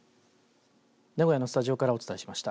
名古屋のスタジオからお伝えしました。